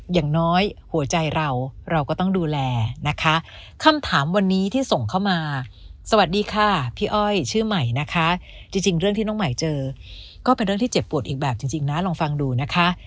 อย่างน้อยหัวใจเราเราก็ต้องดูแลนะคะคำถามวันนี้ที่ส่งเข้ามาสวัสดีค่ะพี่อ้อยชื่อใหม่นะคะจริงเรื่องที่น้องใหม่เจอก็เป็นเรื่องที่เจ็บปวดอีกแบบจริงนะลองฟังดูนะคะ